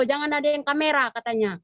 jangan ada yang kamera katanya